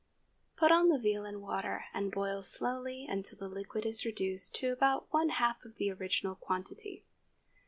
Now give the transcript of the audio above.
Put on the veal and water, and boil slowly until the liquid is reduced to about one half the original quantity.